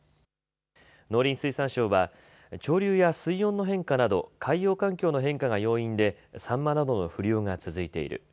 農林水産省は潮流や水温の変化など海洋環境の変化が要因でサンマなどの不漁が続いている。